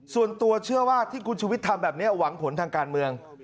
ส่วนตัวเชื่อว่าที่คุณชุวิตทำแบบนี้หวังผลทางการเมือง